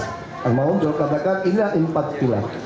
yang mau jokat jokat ini adalah empat pula